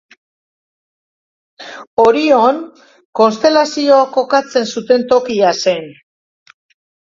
Orion konstelazioa kokatzen zuten tokia zen.